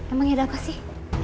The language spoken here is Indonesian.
emang ada apa sih